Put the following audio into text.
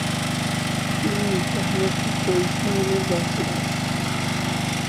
তিনি ইব্রাহিমের পুত্র ইসমাইলের বংশধর।